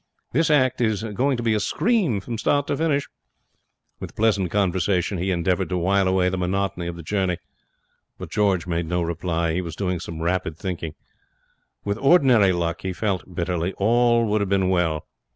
This act is going to be a scream from start to finish.' With pleasant conversation he endeavoured to while away the monotony of the journey; but George made no reply. He was doing some rapid thinking. With ordinary luck, he felt bitterly, all would have been well.